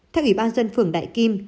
theo ủy ban dân phường đại kim